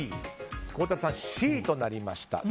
孝太郎さんはＣとなりました。